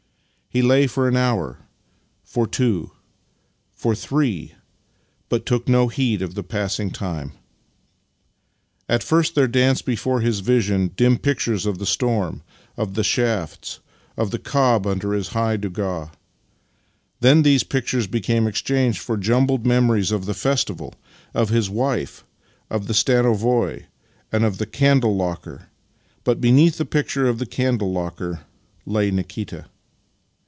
He lay for an hour — for two — for three, but took no heed of the passing of time. At first there danced before his vision dim pictures of the storm, of the shafts, and of the cob under its high donga. Then these pictures became exchanged for jumbled memories of the festival, of his wife, of the stanovoi, and of the candle locker — but beneath the picture of the candle locker lay Nikita.